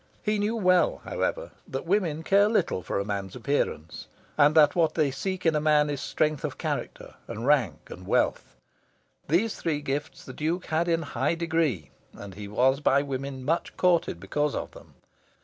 He knew well, however, that women care little for a man's appearance, and that what they seek in a man is strength of character, and rank, and wealth. These three gifts the Duke had in a high degree, and he was by women much courted because of them.